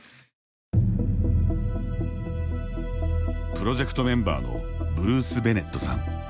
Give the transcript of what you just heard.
プロジェクトメンバーのブルース・ベネットさん。